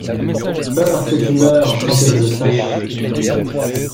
Peur que tu meures sans que je le sache.